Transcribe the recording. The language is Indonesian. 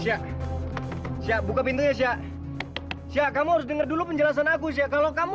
siap siap buka pintunya sya siap kamu harus dengar dulu penjelasan aku siap kalau kamu